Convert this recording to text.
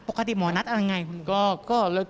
ปกติหมอนัดอะไรอย่างไรครับ